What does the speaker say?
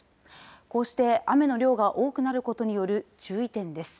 こうして雨の量が多くなることによる、注意点です。